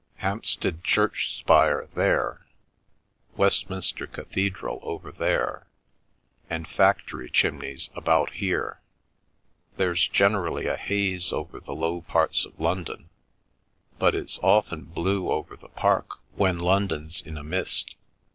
Hampstead Church spire there, Westminster Cathedral over there, and factory chimneys about here. There's generally a haze over the low parts of London; but it's often blue over the park when London's in a mist.